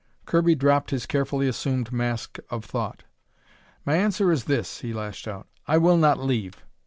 Kirby dropped his carefully assumed mask of thought. "My answer is this," he lashed out. "I will not leave!